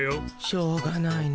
しょうがないなあ。